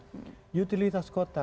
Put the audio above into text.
nah utilitas kota